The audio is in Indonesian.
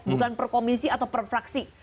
bukan per komisi atau per fraksi